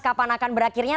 kapan akan berakhirnya